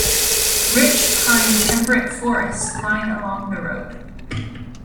Rich pine temperate forests line along the road.